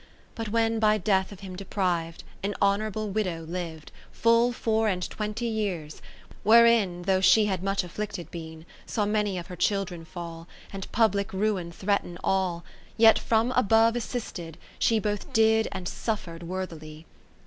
10 But when by Death of him depriv'd, An honourable widow liv'd Full four and twenty years, wherein Though she had rnuch afflicted been, Saw many of her children fall. And public ruin threaten all. Yet from above assisted, she Both did and suffer'd worthily.